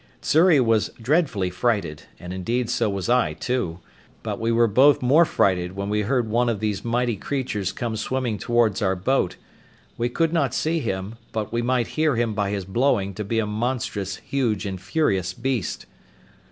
Xury was dreadfully frighted, and indeed so was I too; but we were both more frighted when we heard one of these mighty creatures come swimming towards our boat; we could not see him, but we might hear him by his blowing to be a monstrous huge and furious beast.